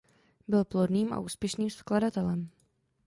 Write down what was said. Byl plodným a úspěšným skladatelem.